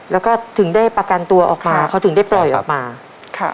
แล้วก็ถึงได้ประกันตัวออกมาเค้าถึงได้ปล่อยออกมาโดยทำชุดผลเข้าไป